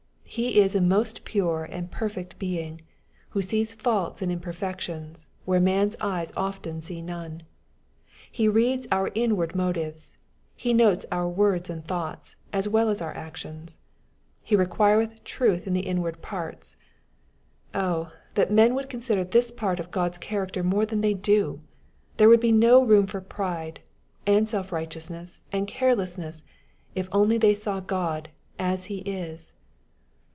He is a most pure and perfect Being, who sees faults and imper fections, where man's eyes often see none. He reads our inward motives. He notes our words and thoughts, as well as our actions. ^^ He requireth truth in the inward parts." Oh ! that men would consider this part of God's character more than they do ! There would be no room for pride, and self righteousness, and carelessness, if they only saw God " as He is."